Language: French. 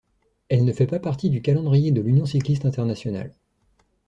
Elle ne fait pas partie du calendrier de l'Union cycliste internationale.